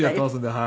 はい。